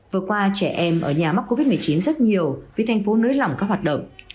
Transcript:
vừa qua trẻ em ở nhà mắc covid một mươi chín rất nhiều vì thành phố nới lỏng các hoạt động